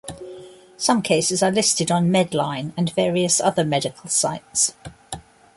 Some cases are listed on MedLine and various other medical sites.